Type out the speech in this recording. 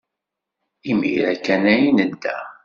Imir-a kan ay nedda.